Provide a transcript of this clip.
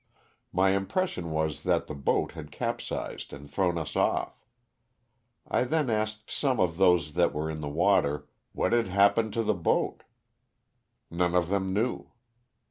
My impression was that the boat had capsized and thrown us off. I then asked some of those that were in the water *' what had happened to the boat.'' None of them knew.